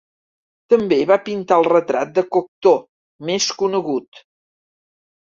També va pintar el retrat de Cocteau més conegut.